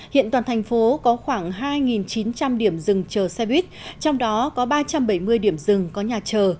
hiện toàn thành phố có khoảng hai chín trăm linh điểm rừng chờ xe buýt trong đó có ba trăm bảy mươi điểm rừng có nhà chờ